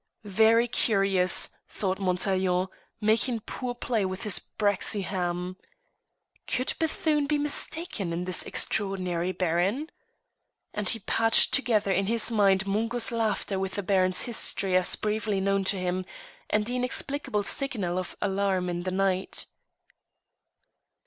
"Very curious," thought Montaiglon, making poor play with his braxy ham. "Could Bethune be mistaken in this extraordinary Baron?" And he patched together in his mind Mungo's laughter with the Baron's history as briefly known to him, and the inexplicable signal and alarm of the night.